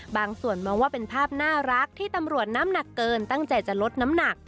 บางส่วนมองว่าเป็นภาพน่ารักที่ตำรวจน้ำหนักเกินตั้งใจจะลดน้ำหนัก